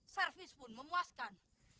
servis pun memuaskan